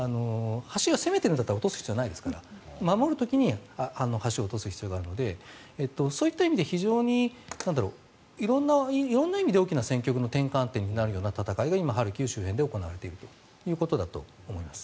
攻めているんだったら橋を落とす必要はないわけですから守る時に橋を落とす必要があるのでそういった意味で非常に色んな意味で大きな戦況の転換点になるような戦いが今、ハルキウ周辺で行われているということだと思います。